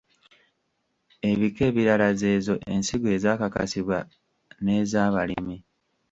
Ebika ebirala z’ezo ensigo ezaakakasibwa n’ez’abalimi.